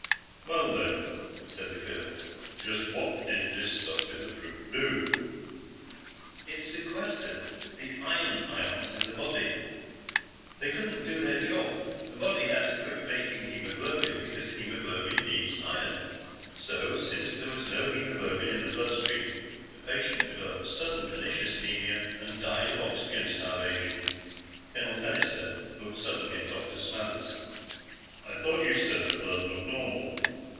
"Well, then," said the colonel, "just what did this stuff in the fruit do?" "It sequestered the iron ions in the body. They couldn't do their job. The body had to quit making hemoglobin, because hemoglobin needs iron. So, since there was no hemoglobin in the bloodstream, the patient developed sudden pernicious anemia and died of oxygen starvation." Colonel Fennister looked suddenly at Dr. Smathers. "I thought you said the blood looked normal."